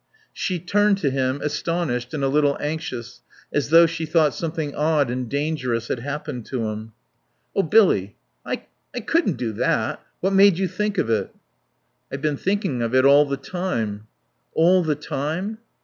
She turned to him, astonished and a little anxious, as though she thought something odd and dangerous had happened to him. "Oh, Billy, I I couldn't do that.... What made you think of it?" "I've been thinking of it all the time." "All the time?"